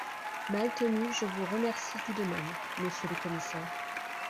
Maltenu Je vous remercie tout de même, Monsieur le commissaire…